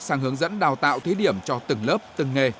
sang hướng dẫn đào tạo thí điểm cho từng lớp từng nghề